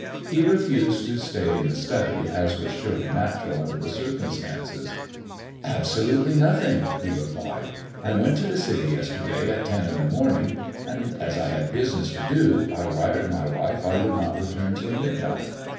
He refused to stay in the study, as was surely natuml under the oircum stances. " I eiamitied tbe apartment cacefullj." " Absolutely nothing," he replied. "I went to the City yesterday at ten in the morning, and, as I had business to do, I wired my wife I would not return till midnight.